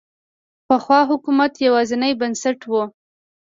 پخوا حکومت یوازینی بنسټ و.